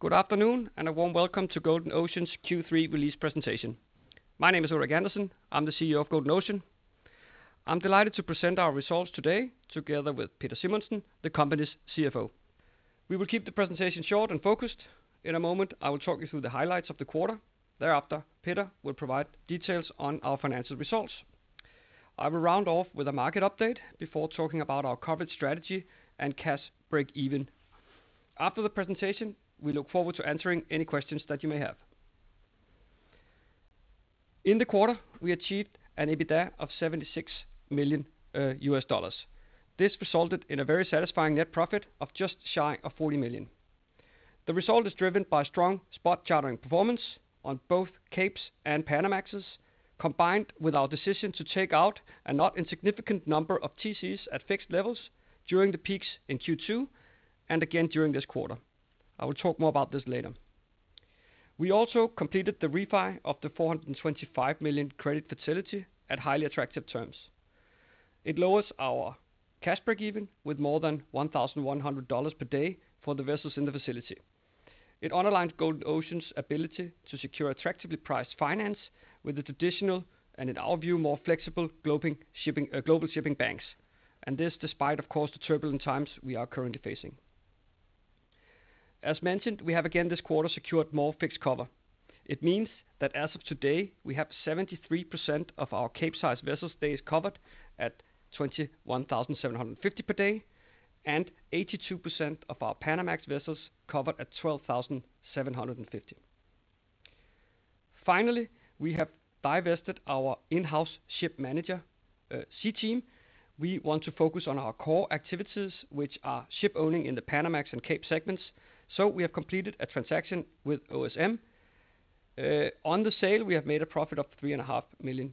Good afternoon, and a warm Welcome to Golden Ocean's Q3 release presentation. My name is Ulrik Andersen. I am the CEO of Golden Ocean. I am delighted to present our results today together with Peder Simonsen, the company's CFO. We will keep the presentation short and focused. In a moment, I will talk you through the highlights of the quarter. Thereafter, Peder will provide details on our financial results. I will round off with a market update before talking about our coverage strategy and cash breakeven. After the presentation, we look forward to answering any questions that you may have. In the quarter, we achieved an EBITDA of $76 million. This resulted in a very satisfying net profit of just shy of $40 million. The result is driven by strong spot chartering performance on both Capes and Panamax, combined with our decision to take out a not insignificant number of TCs at fixed levels during the peaks in Q2 and again during this quarter. I will talk more about this later. We also completed the refi of the $425 million credit facility at highly attractive terms. It lowers our cash breakeven with more than $1,100 per day for the vessels in the facility. It underlines Golden Ocean's ability to secure attractively priced finance with the traditional, and in our view, more flexible global shipping banks. This despite, of course, the turbulent times we are currently facing. As mentioned, we have again this quarter secured more fixed cover. It means that as of today, we have 73% of our Capesize vessels days covered at $21,750 per day and 82% of our Panamax vessels covered at $12,750. Finally, we have divested our in-house ship manager, SeaTeam. We want to focus on our core activities, which are shipowning in the Panamax and Capes segments. We have completed a transaction with OSM. On the sale, we have made a profit of $3.5 million.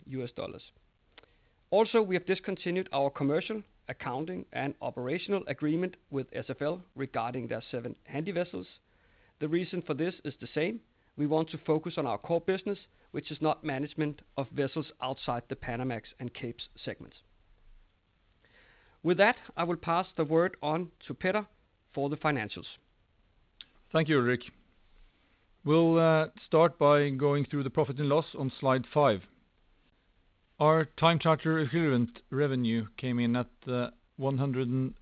We have discontinued our commercial, accounting, and operational agreement with SFL regarding their seven Handy vessels. The reason for this is the same. We want to focus on our core business, which is not management of vessels outside the Panamax and Capes segments. With that, I will pass the word on to Peder for the financials. Thank you, Ulrik. We'll start by going through the profit and loss on slide five. Our time charter equivalent revenue came in at $143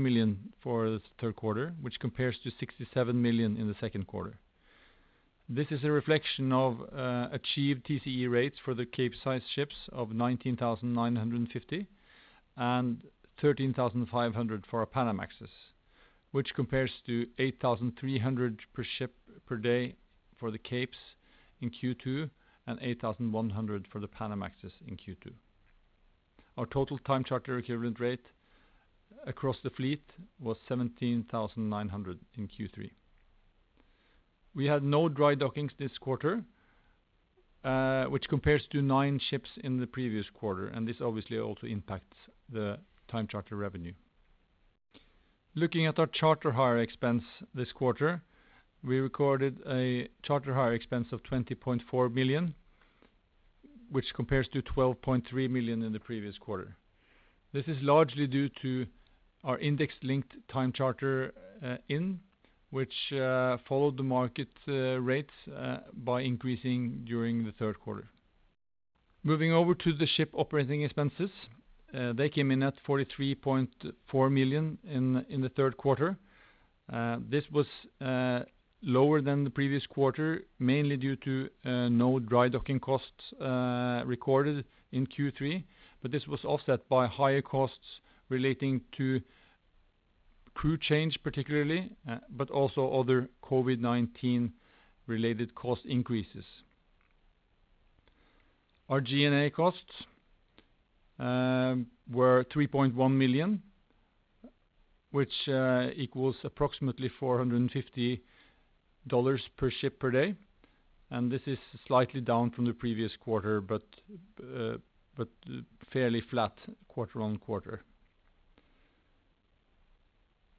million for the third quarter, which compares to $67 million in the second quarter. This is a reflection of achieved TCE rates for the Capesize ships of $19,950 and $13,500 for our Panamax, which compares to $8,300 per ship per day for the Capes in Q2 and $8,100 for the Panamax in Q2. Our total time charter equivalent rate across the fleet was $17,900 in Q3. We had no dry dockings this quarter, which compares to nine ships in the previous quarter, and this obviously also impacts the time charter revenue. Looking at our charter hire expense this quarter, we recorded a charter hire expense of $20.4 million, which compares to $12.3 million in the previous quarter. This is largely due to our index-linked time charter in which followed the market rates by increasing during the third quarter. Moving over to the ship operating expenses. They came in at $43.4 million in the third quarter. This was lower than the previous quarter, mainly due to no dry docking costs recorded in Q3, but this was offset by higher costs relating to crew change, particularly, but also other COVID-19 related cost increases. Our G&A costs were $3.1 million, which equals approximately $450 per ship per day. This is slightly down from the previous quarter but fairly flat quarter-on-quarter.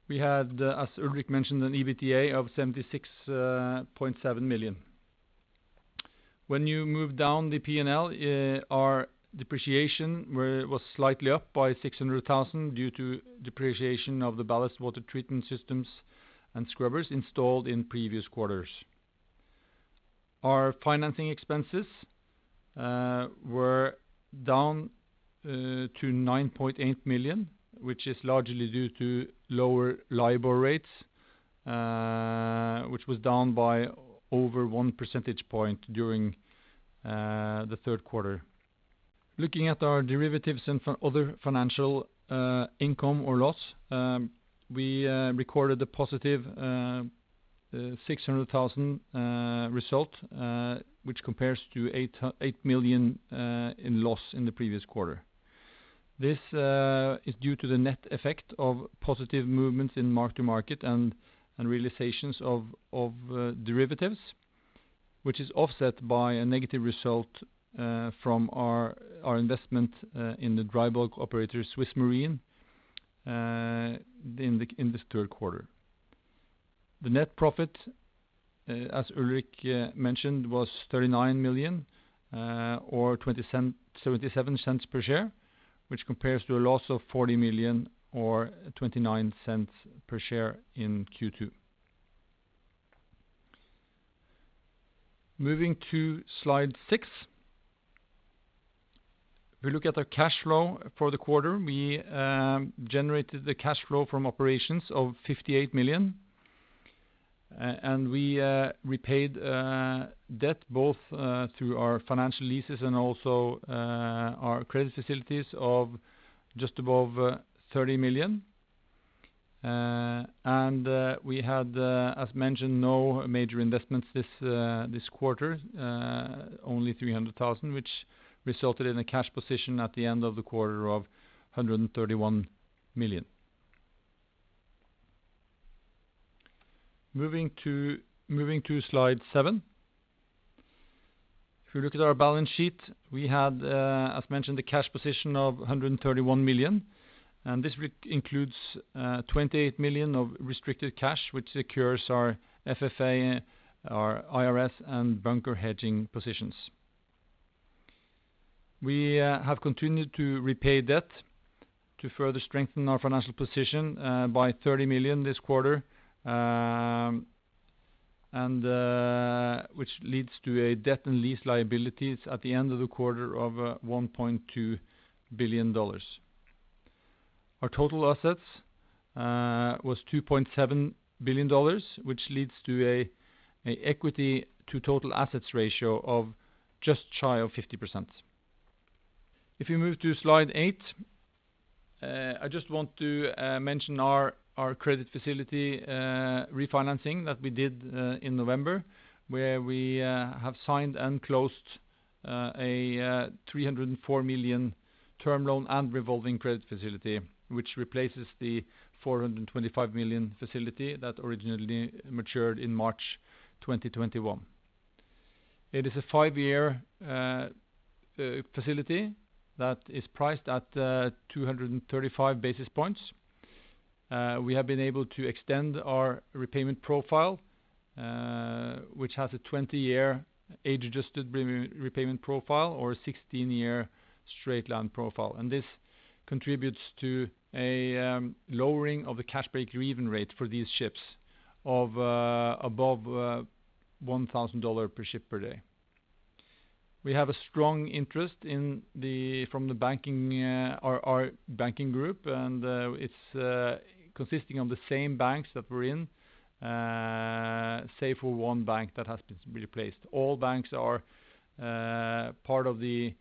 We had, as Ulrik mentioned, an EBITDA of $76.7 million. When you move down the P&L, our depreciation was slightly up by $600,000 due to depreciation of the ballast water treatment systems and scrubbers installed in previous quarters. Our financing expenses were down to $9.8 million, which is largely due to lower LIBOR rates, which was down by over 1 percentage point during the third quarter. Looking at our derivatives and other financial income or loss. We recorded a positive $600,000 result, which compares to $8 million in loss in the previous quarter. This is due to the net effect of positive movements in mark-to-market and realizations of derivatives, which is offset by a negative result from our investment in the dry bulk operator SwissMarine in this third quarter. The net profit as Ulrik mentioned, was $39 million or $0.77 per share, which compares to a loss of $40 million or $0.29 per share in Q2. Moving to slide six. If we look at our cash flow for the quarter, we generated the cash flow from operations of $58 million, and we repaid debt both through our financial leases and also our credit facilities of just above $30 million. We had, as mentioned, no major investments this quarter, only $300,000, which resulted in a cash position at the end of the quarter of $131 million. Moving to slide seven. If you look at our balance sheet, we had, as mentioned, a cash position of $131 million. This includes $28 million of restricted cash, which secures our FFA, our IRS, and bunker hedging positions. We have continued to repay debt to further strengthen our financial position by $30 million this quarter, which leads to a debt and lease liabilities at the end of the quarter of $1.2 billion. Our total assets was $2.7 billion, which leads to an equity to total assets ratio of just shy of 50%. If you move to slide eight, I just want to mention our credit facility refinancing that we did in November, where we have signed and closed a $304 million term loan and revolving credit facility, which replaces the $425 million facility that originally matured in March 2021. It is a five-year facility that is priced at 235 basis points. We have been able to extend our repayment profile, which has a 20-year age-adjusted repayment profile or a 16-year straight line profile. This contributes to a lowering of the cash break-even rate for these ships of above $1,000 per ship per day. We have a strong interest from our banking group, it's consisting of the same banks that we're in, save for one bank that has been replaced. All banks are part of the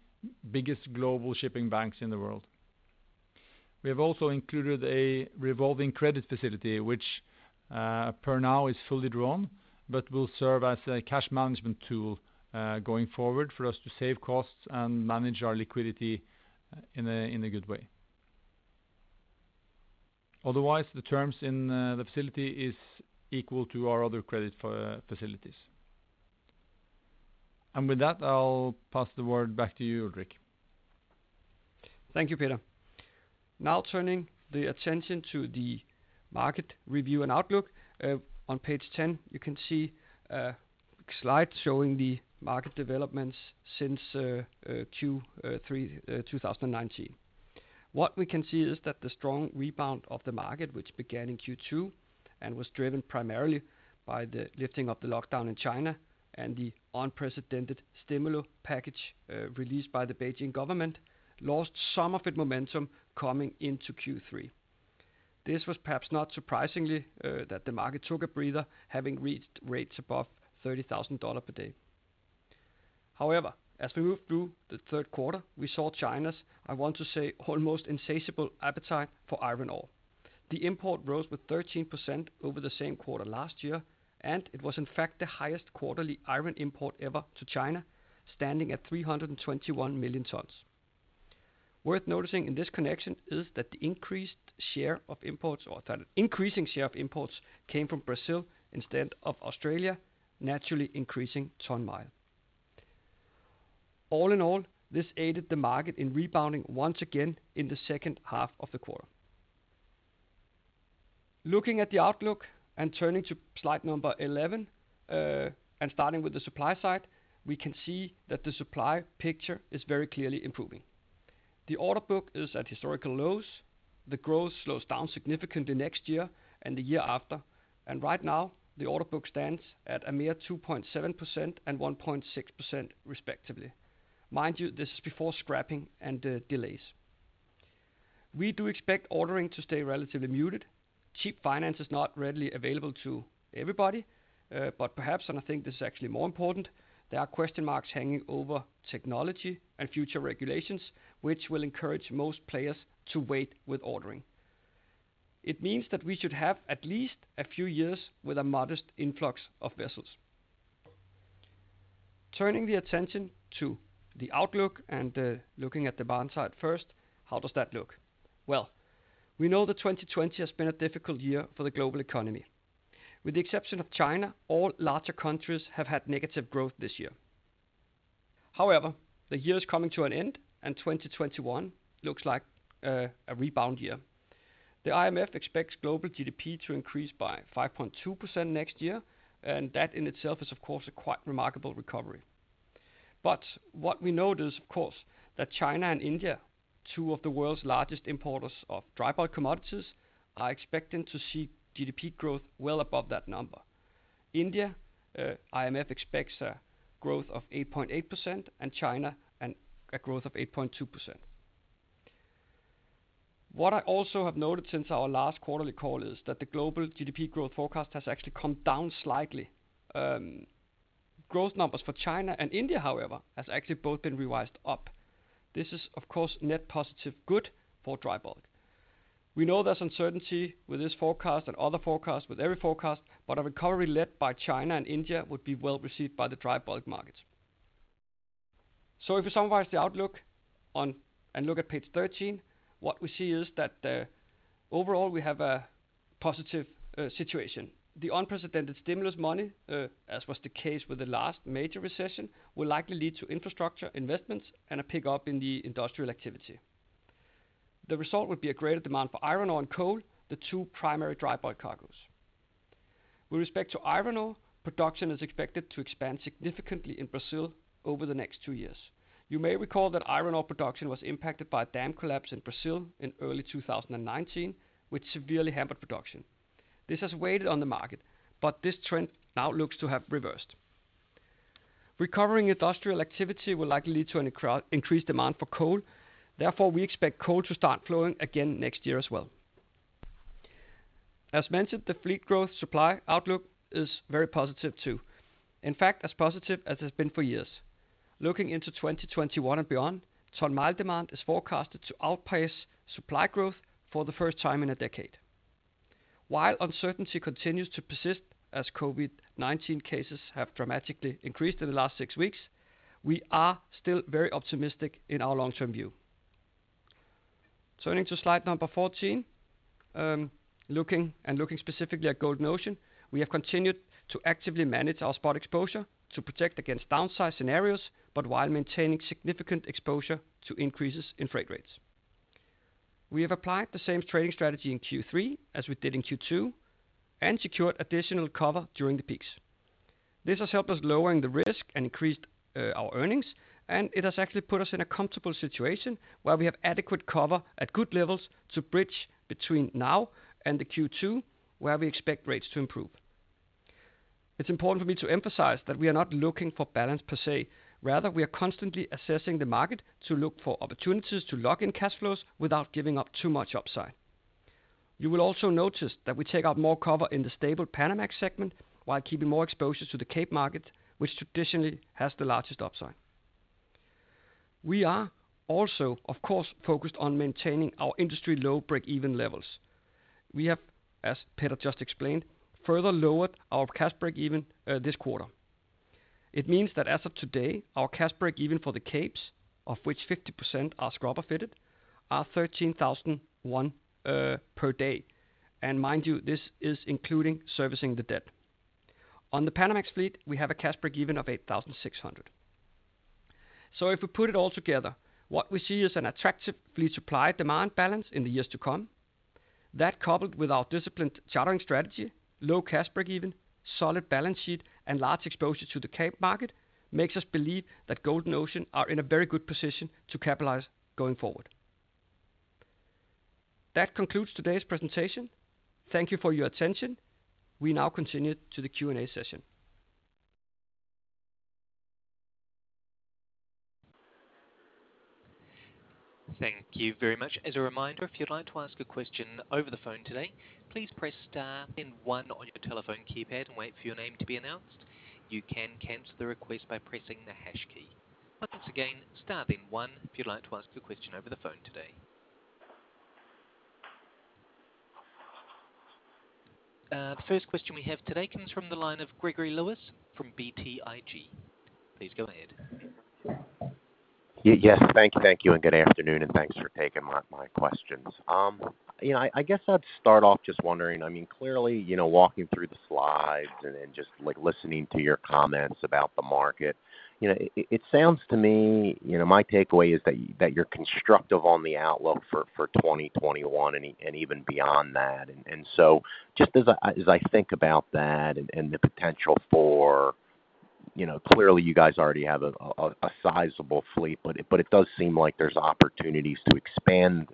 biggest global shipping banks in the world. We have also included a revolving credit facility, which per now is fully drawn, but will serve as a cash management tool going forward for us to save costs and manage our liquidity in a good way. Otherwise, the terms in the facility is equal to our other credit facilities. With that, I'll pass the word back to you, Ulrik. Thank you, Peder. Turning the attention to the market review and outlook. On page 10, you can see a slide showing the market developments since Q3 2019. What we can see is that the strong rebound of the market, which began in Q2 and was driven primarily by the lifting of the lockdown in China and the unprecedented stimulus package released by the Beijing government, lost some of its momentum coming into Q3. This was perhaps not surprisingly that the market took a breather, having reached rates above $30,000 per day. As we move through the third quarter, we saw China's, I want to say, almost insatiable appetite for iron ore. The import rose with 13% over the same quarter last year, and it was in fact the highest quarterly iron import ever to China, standing at 321 million tons. Worth noticing in this connection is that the increasing share of imports came from Brazil instead of Australia, naturally increasing ton-mile. All in all, this aided the market in rebounding once again in the second half of the quarter. Looking at the outlook and turning to slide number 11, starting with the supply side, we can see that the supply picture is very clearly improving. The order book is at historical lows. The growth slows down significantly next year and the year after. Right now, the order book stands at a mere 2.7% and 1.6% respectively. Mind you, this is before scrapping and delays. We do expect ordering to stay relatively muted. Cheap finance is not readily available to everybody. Perhaps, and I think this is actually more important, there are question marks hanging over technology and future regulations, which will encourage most players to wait with ordering. It means that we should have at least a few years with a modest influx of vessels. Turning the attention to the outlook and looking at demand side first, how does that look? Well, we know that 2020 has been a difficult year for the global economy. With the exception of China, all larger countries have had negative growth this year. The year is coming to an end, and 2021 looks like a rebound year. The IMF expects global GDP to increase by 5.2% next year, and that in itself is, of course, a quite remarkable recovery. What we notice, of course, that China and India, two of the world's largest importers of dry bulk commodities, are expecting to see GDP growth well above that number. India, IMF expects a growth of 8.8%, and China a growth of 8.2%. What I also have noted since our last quarterly call is that the global GDP growth forecast has actually come down slightly. Growth numbers for China and India, however, has actually both been revised up. This is, of course, net positive good for dry bulk. We know there's uncertainty with this forecast and other forecasts, with every forecast, but a recovery led by China and India would be well-received by the dry bulk markets. If we summarize the outlook and look at page 13, what we see is that overall we have a positive situation. The unprecedented stimulus money, as was the case with the last major recession, will likely lead to infrastructure investments and a pickup in the industrial activity. The result would be a greater demand for iron ore and coal, the two primary dry bulk cargos. With respect to iron ore, production is expected to expand significantly in Brazil over the next two years. You may recall that iron ore production was impacted by a dam collapse in Brazil in early 2019, which severely hampered production. This has weighed on the market, but this trend now looks to have reversed. Recovering industrial activity will likely lead to an increased demand for coal. Therefore, we expect coal to start flowing again next year as well. As mentioned, the fleet growth supply outlook is very positive too. In fact, as positive as it's been for years. Looking into 2021 and beyond, ton-mile demand is forecasted to outpace supply growth for the first time in a decade. While uncertainty continues to persist as COVID-19 cases have dramatically increased in the last six weeks, we are still very optimistic in our long-term view. Turning to slide number 14, looking specifically at Golden Ocean, we have continued to actively manage our spot exposure to protect against downside scenarios, but while maintaining significant exposure to increases in freight rates. We have applied the same trading strategy in Q3 as we did in Q2 and secured additional cover during the peaks. This has helped us lowering the risk and increased our earnings. It has actually put us in a comfortable situation where we have adequate cover at good levels to bridge between now and the Q2 where we expect rates to improve. It's important for me to emphasize that we are not looking for balance per se. Rather, we are constantly assessing the market to look for opportunities to lock in cash flows without giving up too much upside. You will also notice that we take up more cover in the stable Panamax segment while keeping more exposure to the Cape market, which traditionally has the largest upside. We are also, of course, focused on maintaining our industry-low break-even levels. We have, as Peder just explained, further lowered our cash break-even this quarter. It means that as of today, our cash break-even for the Capes, of which 50% are scrubber-fitted, are $13,001 per day. And mind you, this is including servicing the debt. On the Panamax fleet, we have a cash break-even of $8,600. If we put it all together, what we see is an attractive fleet supply-demand balance in the years to come. That, coupled with our disciplined chartering strategy, low cash break-even, solid balance sheet, and large exposure to the Cape market, makes us believe that Golden Ocean are in a very good position to capitalize going forward. That concludes today's presentation. Thank you for your attention. We now continue to the Q&A session. Thank you very much. As a reminder, if you'd like to ask a question over the phone today, please press star one on your telephone keypad and wait for your name to be announced. You can cancel the request by pressing the hash key. Once again, star one if you'd like to ask a question over the phone today. The first question we have today comes from the line of Gregory Lewis from BTIG. Please go ahead. Yes. Thank you, good afternoon, and thanks for taking my questions. I guess I'd start off just wondering, clearly, walking through the slides and then just listening to your comments about the market, it sounds to me, my takeaway is that you're constructive on the outlook for 2021 and even beyond that. Just as I think about that and the potential for, clearly, you guys already have a sizable fleet, but it does seem like there's opportunities to expand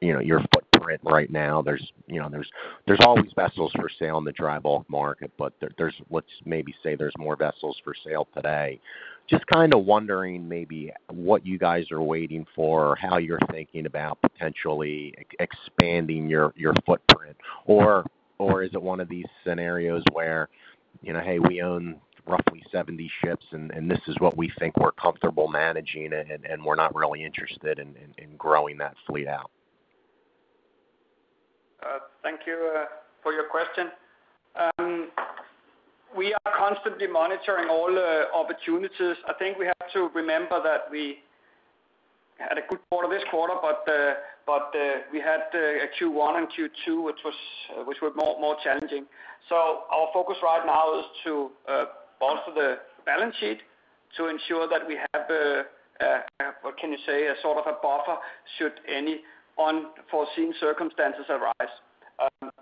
your footprint right now. There's always vessels for sale in the dry bulk market, but let's maybe say there's more vessels for sale today. Just kind of wondering maybe what you guys are waiting for, how you're thinking about potentially expanding your footprint, or is it one of these scenarios where, "Hey, we own roughly 70 ships and this is what we think we're comfortable managing, and we're not really interested in growing that fleet out. Thank you for your question. We are constantly monitoring all opportunities. I think we have to remember that we had a Q1 and Q2, which were more challenging. Our focus right now is to bolster the balance sheet to ensure that we have a, what can you say, a sort of a buffer should any unforeseen circumstances arise.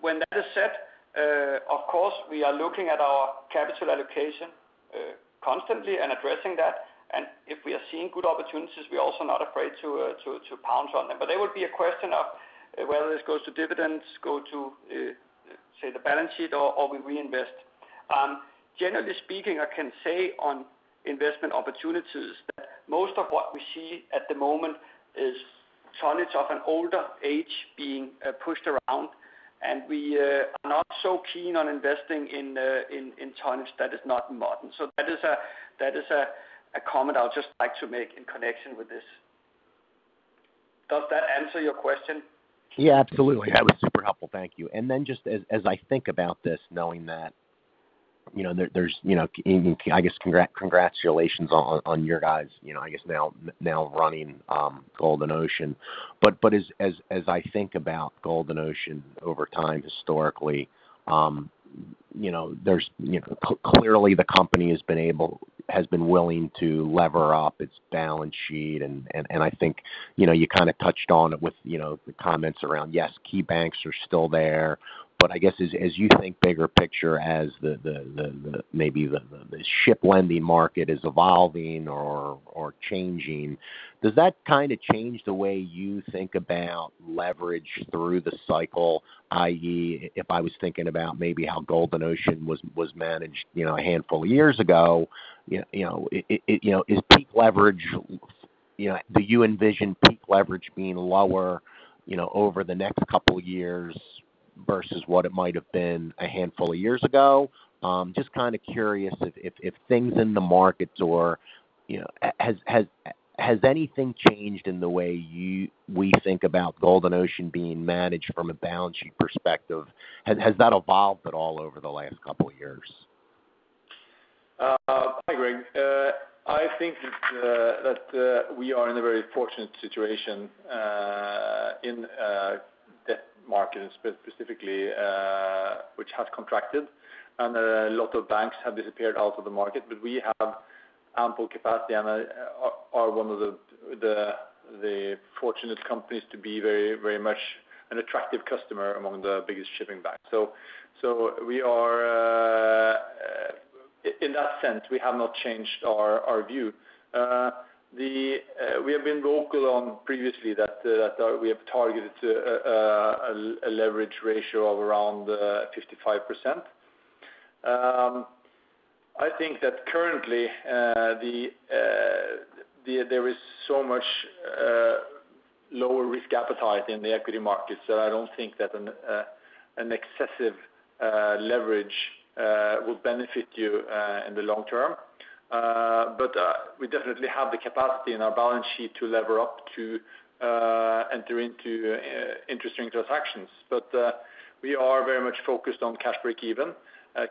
When that is set, of course, we are looking at our capital allocation constantly and addressing that, and if we are seeing good opportunities, we are also not afraid to pounce on them. There will be a question of whether this goes to dividends, go to, say, the balance sheet, or we reinvest. Generally speaking, I can say on investment opportunities that most of what we see at the moment is tonnage of an older age being pushed around, and we are not so keen on investing in tonnage that is not modern. That is a comment I'll just like to make in connection with this. Does that answer your question? Yeah, absolutely. That was super helpful. Thank you. Just as I think about this, knowing that, I guess, congratulations on your guys now running Golden Ocean. As I think about Golden Ocean over time, historically, clearly the company has been willing to lever up its balance sheet, and I think you kind of touched on it with the comments around, yes, key banks are still there. I guess as you think bigger picture as maybe the ship lending market is evolving or changing, does that kind of change the way you think about leverage through the cycle, i.e., if I was thinking about maybe how Golden Ocean was managed a handful of years ago, do you envision peak leverage being lower over the next couple of years versus what it might have been a handful of years ago? Just kind of curious if things in the markets or has anything changed in the way we think about Golden Ocean being managed from a balance sheet perspective? Has that evolved at all over the last couple of years? Hi, Greg. I think that we are in a very fortunate situation in debt markets specifically, which has contracted, and a lot of banks have disappeared out of the market. We have ample capacity and are one of the fortunate companies to be very much an attractive customer among the biggest shipping banks. In that sense, we have not changed our view. We have been vocal previously that we have targeted a leverage ratio of around 55%. I think that currently there is so much lower risk appetite in the equity market, I don't think that an excessive leverage will benefit you in the long term. We definitely have the capacity in our balance sheet to lever up to enter into interesting transactions. We are very much focused on cash breakeven,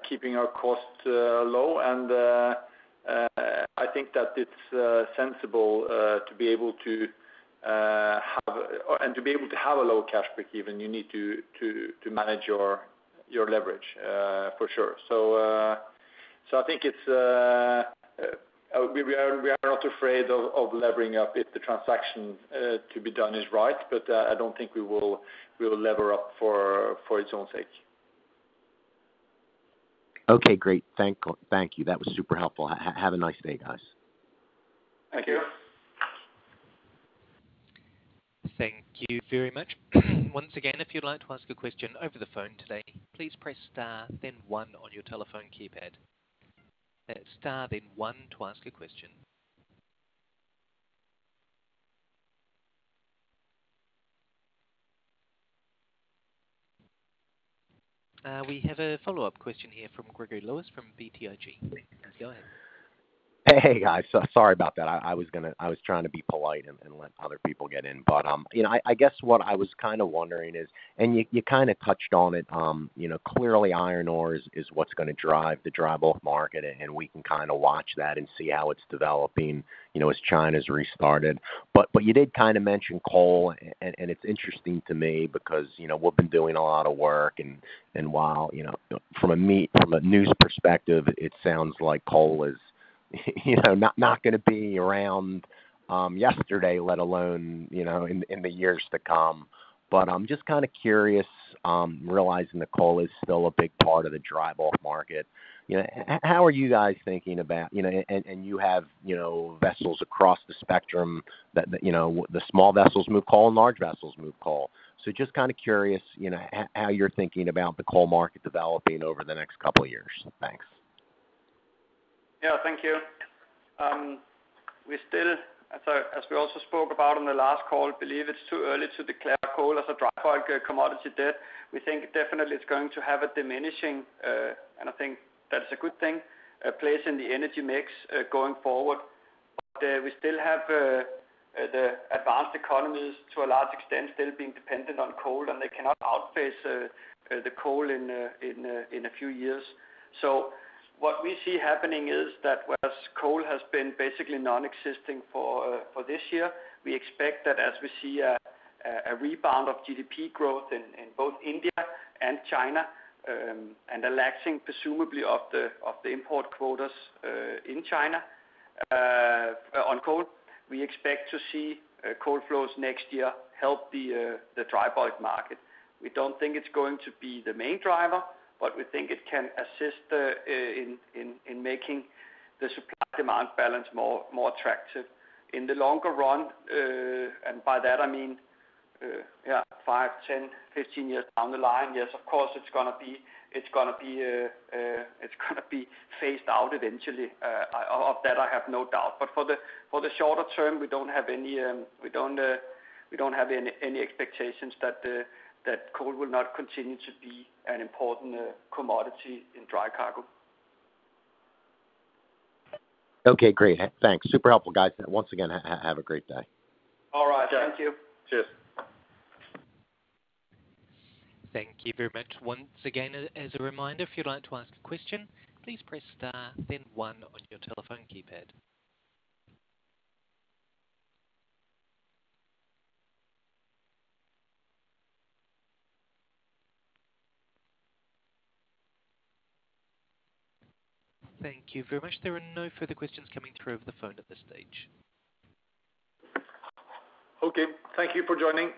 keeping our costs low, and I think that it's sensible to be able to have a low cash breakeven, you need to manage your leverage, for sure. I think we are not afraid of levering up if the transaction to be done is right, but I don't think we will lever up for its own sake. Okay, great. Thank you. That was super helpful. Have a nice day, guys. Thank you. Thank you. Thank you very much. Once again, if you'd like to ask a question over the phone today, please press star then one on your telephone keypad. Star then one to ask a question. We have a follow-up question here from Gregory Lewis from BTIG. Yes, go ahead. Hey, guys. Sorry about that. I was trying to be polite and let other people get in. I guess what I was kind of wondering is, and you kind of touched on it. Clearly iron ore is what's going to drive the dry bulk market, and we can kind of watch that and see how it's developing as China's restarted. You did kind of mention coal, and it's interesting to me because we've been doing a lot of work, and while from a news perspective, it sounds like coal is not going to be around yesterday, let alone in the years to come. I'm just kind of curious, realizing that coal is still a big part of the dry bulk market. How are you guys thinking about, and you have vessels across the spectrum that the small vessels move coal and large vessels move coal. Just kind of curious how you're thinking about the coal market developing over the next couple of years. Thanks. Yeah. Thank you. We still, as we also spoke about on the last call, believe it's too early to declare coal as a dry bulk commodity dead. We think definitely it's going to have a diminishing, and I think that is a good thing, a place in the energy mix going forward. We still have the advanced economies, to a large extent, still being dependent on coal, and they cannot outpace the coal in a few years. What we see happening is that whereas coal has been basically non-existing for this year, we expect that as we see a rebound of GDP growth in both India and China, and a relaxing presumably of the import quotas in China on coal, we expect to see coal flows next year help the dry bulk market. We don't think it's going to be the main driver, but we think it can assist in making the supply-demand balance more attractive. In the longer run, and by that, I mean, yeah, five, 10, 15 years down the line, yes, of course, it's going to be phased out eventually. Of that, I have no doubt. But for the shorter term, we don't have any expectations that coal will not continue to be an important commodity in dry cargo. Okay, great. Thanks. Super helpful, guys. Once again, have a great day. All right. Thank you. Cheers. Thank you very much. Once again, as a reminder, if you'd like to ask a question, please press star then one on your telephone keypad. Thank you very much. There are no further questions coming through over the phone at this stage. Okay. Thank you for joining.